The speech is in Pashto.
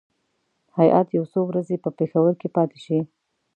هیات یو څو ورځې په پېښور کې پاتې شي.